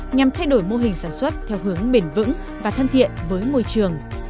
nhằm thay đổi mô hình sản xuất theo hướng bền vững và thân thiện với môi trường